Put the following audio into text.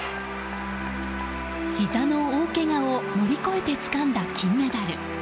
ひざの大けがを乗り越えてつかんだ金メダル。